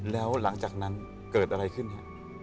แล้วหลังจากนั้นเกิดอะไรขึ้นฮะ